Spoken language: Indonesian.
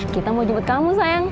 kita mau jemput kamu sayang